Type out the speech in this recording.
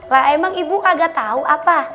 lah emang ibu kagak tahu apa